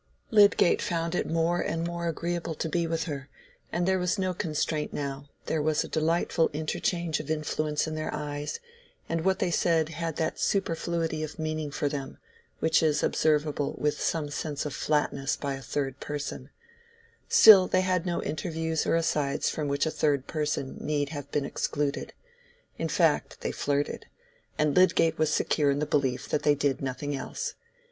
Lydgate found it more and more agreeable to be with her, and there was no constraint now, there was a delightful interchange of influence in their eyes, and what they said had that superfluity of meaning for them, which is observable with some sense of flatness by a third person; still they had no interviews or asides from which a third person need have been excluded. In fact, they flirted; and Lydgate was secure in the belief that they did nothing else.